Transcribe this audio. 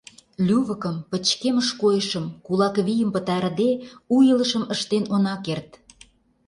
Лювыкым, пычкемыш койышым, кулак вийым пытарыде, у илышым ыштен она керт.